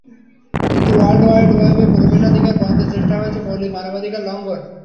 কিন্তু world wide ওয়েবে প্রবেশাধিকার বন্ধের চেষ্টা হচ্ছে মৌলিক মানবাধিকার লঙ্ঘন।